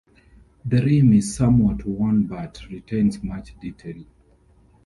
The rim is somewhat worn but retains much detail.